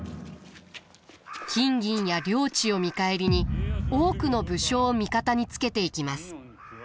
金銀や領地を見返りに多くの武将を味方につけていきます。